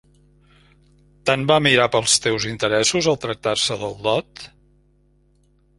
Tant va mirar pels teus interessos al tractar-se del dot?